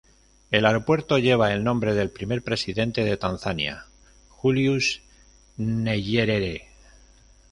El aeropuerto lleva el nombre del primer presidente de Tanzania, Julius Nyerere.